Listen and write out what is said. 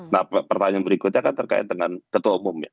nah pertanyaan berikutnya kan terkait dengan ketua umum ya